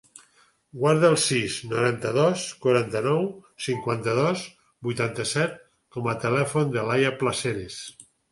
Guarda el sis, noranta-dos, quaranta-nou, cinquanta-dos, vuitanta-set com a telèfon de l'Aya Placeres.